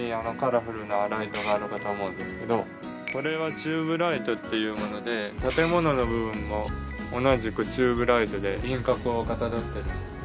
チューブライトっていうもので建物の部分を同じくチューブライトで輪郭をかたどってる。